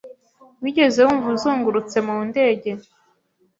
Wigeze wumva uzungurutse mu ndege?